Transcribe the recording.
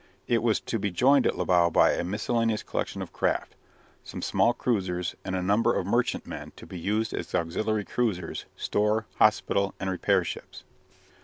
It was to be joined at Libau by a miscellaneous collection of craft some small cruisers and a number of merchantmen to be used as auxiliary cruisers, store, hospital, and repair ships.